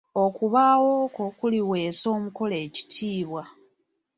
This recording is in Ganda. Okubaawo kwo kuliweesa omukolo ekitiibwa.